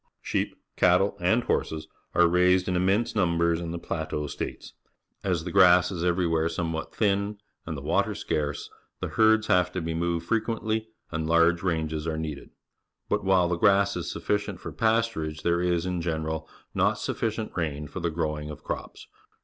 Sheep, cattle, and horses are raised in immense numbers in the Plateau States. As the grass is everywhere somewhat thin and the water scarce, the herds have to be moved The Desert, Arizona— Giant Cactus and other Cacti frequently, and large ranges are needed. But while the grass is sufficient for pasturage, there is, in general, not sufficient rain for the growing of crops.